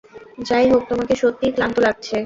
যাই হোক, তোমাকে সত্যিই ক্লান্ত লাগছে।